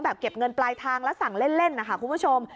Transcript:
เก็บเงินปลายทางแล้วสั่งเล่นนะคะคุณผู้ชม